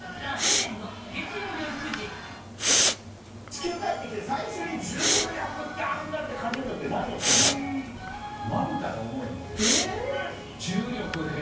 地球帰ってきて、最初に重力ってあるんだなって感じるのって、なんのときなんですまぶたが重いみたいな。